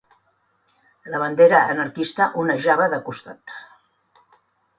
La bandera anarquista onejava de costat